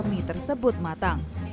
tapi makanan tersebut matang